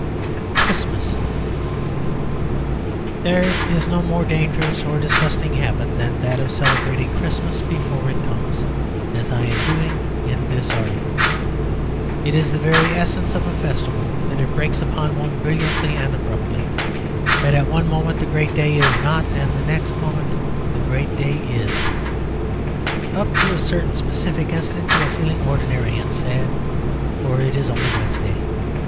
CHRISTMAS There is no more dangerous or disgusting habit than that of celebrating Christmas before it comes, as I am doing in this article. It is the very essence of a festival that it breaks upon one brilliantly and abruptly, that at one moment the great day is not and the next moment the great day is. Up to a certain specific instant you are feeling ordinary and sad; for it is only Wednesday.